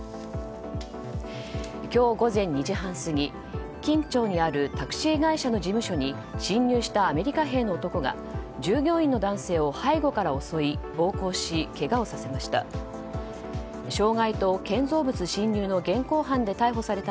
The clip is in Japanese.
今日午前２時半過ぎ金武町にあるタクシー会社の事務所に侵入したアメリカ兵の男が従業員の男性を背後から襲い暴行し、けがをさせました。